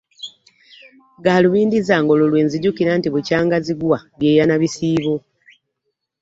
Ggaalubindi zange olwo lwe nzijukira nti bukyanga zigwa byeya na bisiibo.